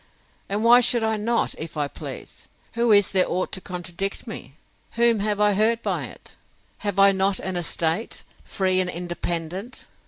And why should I not, if I please? Who is there ought to contradict me? Whom have I hurt by it?—Have I not an estate, free and independent?